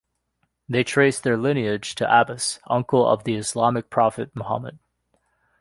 They trace their lineage to Abbas, uncle of the Islamic prophet Muhammad.